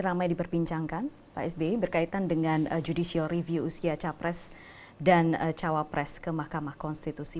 ramai diperbincangkan pak sby berkaitan dengan judicial review usia capres dan cawapres ke mahkamah konstitusi